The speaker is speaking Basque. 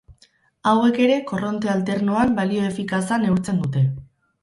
Hauek ere korronte alternoan balio efikaza neurtzen dute.